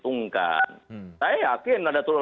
tapi ada yang ada tafsir tafsir yang tidak menguntungkan